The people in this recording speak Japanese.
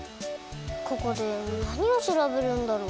ここでなにをしらべるんだろう？